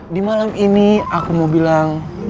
di malam ini aku mau bilang